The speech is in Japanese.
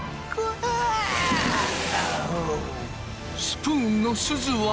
スプーンのすずは。